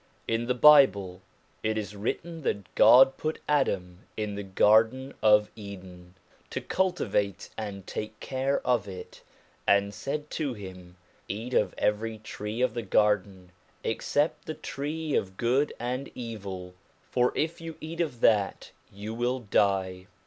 In the Bible it is written that God put Adam in the garden of Eden, to cultivate and take care of it, and said to him : Eat of every tree of the garden except the tree of good and evil, for if you eat of that you will die.